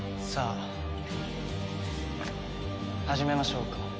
さあ始めましょうか。